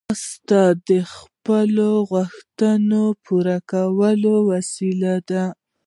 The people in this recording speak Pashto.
ځغاسته د خپلو غوښتنو پوره کولو وسیله ده